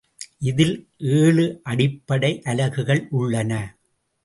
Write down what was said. இதில் ஏழு அடிப்படை அலகுகள் உள்ளன.